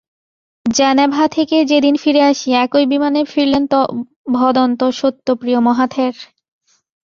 Geneva থেকে যেদিন ফিরে আসি, একই বিমানে ফিরলেন ভদন্ত সত্যপ্রিয় মহাথের।